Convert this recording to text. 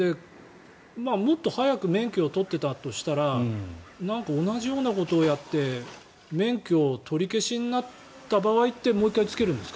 もっと早く免許を取っていたとしたら同じようなことをやって免許取り消しになった場合ってもう１回つけるんですか？